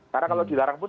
karena kalau dilarang pun